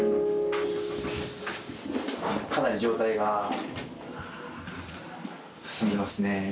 かなり状態が進んでますね。